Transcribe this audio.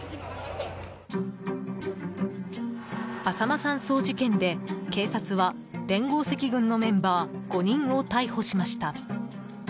あさま山荘事件で警察は連合赤軍のメンバー５人を逮捕しました。